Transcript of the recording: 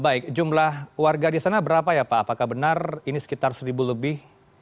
baik jumlah warga di sana berapa ya pak apakah benar ini sekitar seribu lebih